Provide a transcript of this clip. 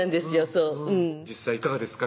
そう実際いかがですか？